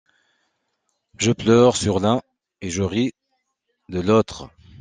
Je pleure sur l’un et je ris de l’autre.